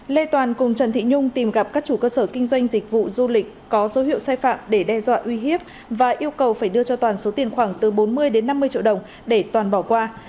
lê toàn cùng trần thị nhung tìm gặp các chủ cơ sở kinh doanh dịch vụ du lịch có dấu hiệu sai phạm để đe dọa uy hiếp và yêu cầu phải đưa cho toàn số tiền khoảng từ bốn mươi đến năm mươi triệu đồng để toàn bỏ qua